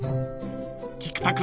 ［菊田君